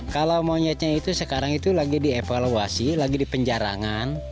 kalau monyetnya itu sekarang lagi dievaluasi lagi dipenjarangan